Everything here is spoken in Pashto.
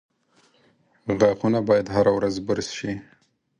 • غاښونه باید هره ورځ برس شي.